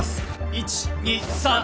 １２３。